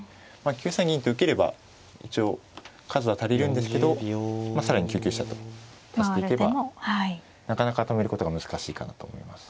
９三銀と受ければ一応数は足りるんですけど更に９九飛車と足していけばなかなか止めることが難しいかなと思います。